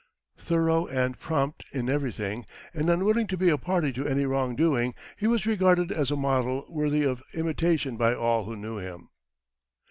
Thorough and prompt in everything, and unwilling to be a party to any wrong doing, he was regarded as a model worthy of imitation by all who knew him.